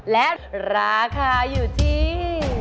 และราคาอยู่ที่